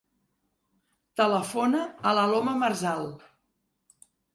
Telefona a l'Aloma Marzal.